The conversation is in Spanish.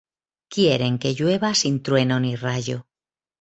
Quieren que llueva sin trueno ni rayo.